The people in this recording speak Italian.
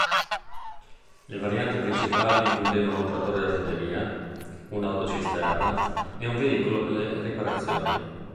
Le varianti principali includevano un trattore d'artiglieria, un'autocisterna e un veicolo per le riparazioni.